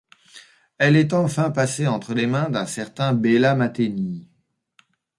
Elle est enfin passée entre les mains d'un certain Béla Mathényi.